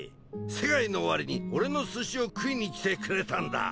世界の終わりに俺の寿司を食いに来てくれたんだ。